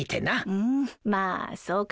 うんまあそうかもね。